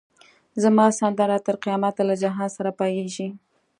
زما سندره تر قیامته له جهان سره پاییږی